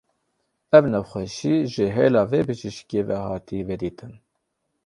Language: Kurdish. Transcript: Ev nexweşî ji hêla vê bijîşkê ve hatiye vedîtin.